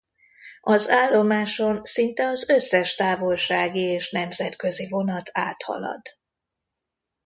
Az állomáson szinte az összes távolsági és nemzetközi vonat áthalad.